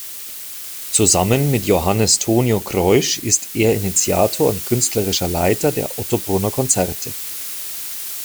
Zusammen mit Johannes Tonio Kreusch ist er Initiator und Künstlerischer Leiter der Ottobrunner Konzerte.